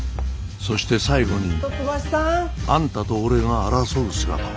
そして最後にあんたと俺が争う姿を世間にさらす。